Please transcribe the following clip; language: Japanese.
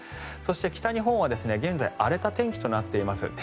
そして、北日本は現在荒れた天気となっています。